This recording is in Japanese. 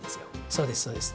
そうですそうです。